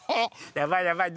やばいやばい！